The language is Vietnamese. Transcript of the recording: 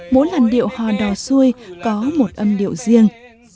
mỗi làn điệu hò đò xuôi có một âm điệu riêng